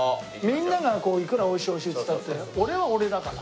みんながいくら「美味しい美味しい」っつったって俺は俺だから。